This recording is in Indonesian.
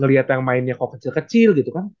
ngelihat yang mainnya kok kecil kecil gitu kan